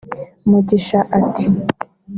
Mugisha ati